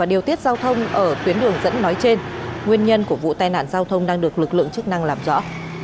điều tiết giao thông ở tuyến đường dẫn nói trên nguyên nhân của vụ tai nạn giao thông đang được lực lượng chức năng làm rõ